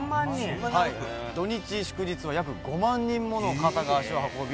土日祝日は約５万人もの方が足を運び